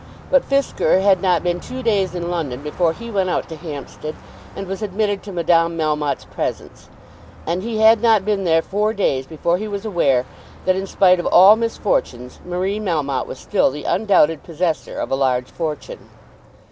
But Fisker had not been two days in London before he went out to Hampstead, and was admitted to Madame Melmotte's presence; and he had not been there four days before he was aware that in spite of all misfortunes, Marie Melmotte was still the undoubted possessor of a large fortune.